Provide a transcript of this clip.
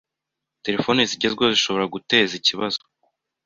terefone zigezweho zishobora guteza ikibazo